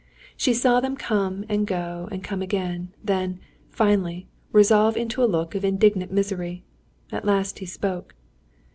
She saw them come and go, and come again; then, finally, resolve into a look of indignant misery. At last he spoke.